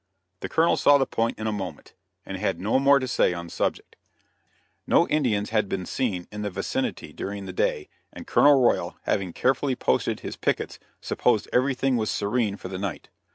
The Colonel saw the point in a moment, and had no more to say on the subject. [Illustration: BRINGING MEAT INTO CAMP.] No Indians had been seen in the vicinity during the day, and Colonel Royal having carefully posted his pickets, supposed everything was serene for the night.